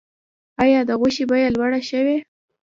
آیا د غوښې بیه لوړه شوې؟